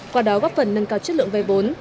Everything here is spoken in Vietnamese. qua đó góp phần nâng cao chất lượng vay vốn